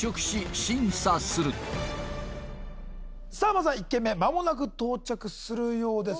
まずは１軒目間もなく到着するようです